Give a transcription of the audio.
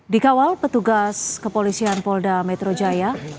di kawal petugas kepolisian polda metro jaya